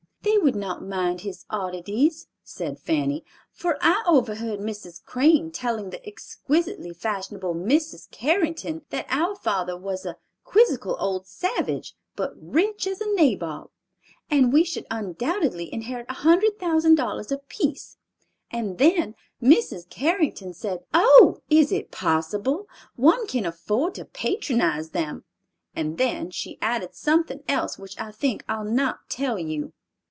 "They would not mind his oddities," said Fanny, "for I overheard Mrs. Crane telling the exquisitely fashionable Mrs. Carrington that our father was 'a quizzical old savage, but rich as a nabob, and we should undoubtedly inherit a hundred thousand dollars apiece.' And then Mrs. Carrington said, 'Oh, is it possible? One can afford to patronize them.' And then she added something else which I think I'll not tell you."